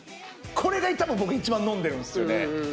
これがたぶん僕一番飲んでるんですよね。